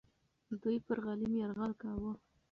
دوی پر غلیم یرغل کاوه.